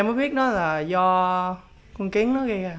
em mới biết đó là do con kiến nó gây ra